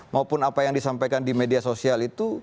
maupun apa yang disampaikan di media sosial itu